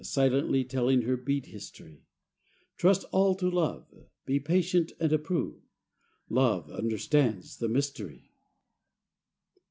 Silently telling her bead history; Trust all to Love, be patient and approve: Love understands the mystery.